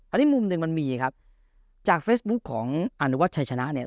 อันนี้มุมหนึ่งมันมีครับจากเฟซบุ๊คของอนุวัชชัยชนะเนี่ย